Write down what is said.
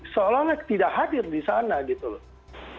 seolah olah tidak hadir di sana gitu loh